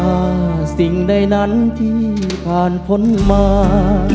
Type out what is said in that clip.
ว่าสิ่งใดนั้นที่ผ่านพ้นมา